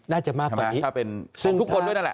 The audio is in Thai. น่าจะมากกว่านี้ซึ่งทุกคนด้วยนั่นแหละ